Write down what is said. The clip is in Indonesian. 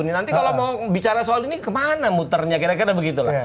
nanti kalau mau bicara soal ini kemana muternya kira kira begitulah